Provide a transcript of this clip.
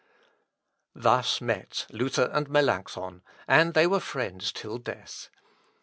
"Thus met Luther and Melancthon, and they were friends till death.